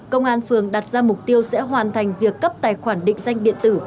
công an phường đặt ra mục tiêu sẽ hoàn thành việc cấp tài khoản định danh điện tử